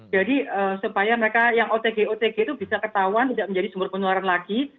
jadi supaya mereka yang otg otg itu bisa ketahuan tidak menjadi sumber penularan lagi